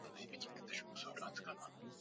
la la serikali ya umoja huko